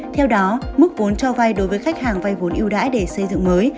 theo đó mức vốn cho vay đối với khách hàng vay vốn yêu đãi để xây dựng mới